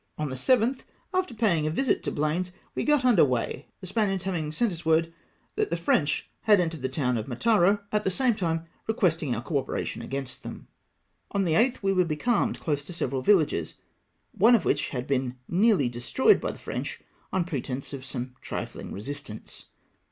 On the 7th, after paying a visit to Blanes, we got under weigh, the Spaniards having sent us word that the French had entered the town of Mataro, at the same time requesting our co operation against them. VOL. I. s 258 THE FRENCH IN MATARO. On the 8tli we were becalmed close to several vil lages, one of which had been nearly destroyed by the French on pretence of some trifling resistance.